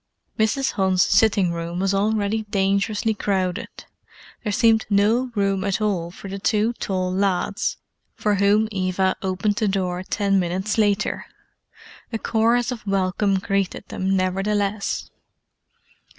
Mrs. Hunt's sitting room was already dangerously crowded—there seemed no room at all for the two tall lads for whom Eva opened the door ten minutes later. A chorus of welcome greeted them, nevertheless.